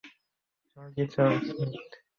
তুমি কী চাও, স্মিথ?